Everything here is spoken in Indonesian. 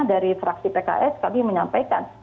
dari fraksi pks kami menyampaikan